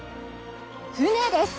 船です！